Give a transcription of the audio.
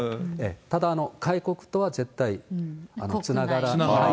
ただ、外国とは絶対つながらない。